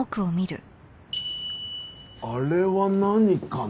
あれは何かな？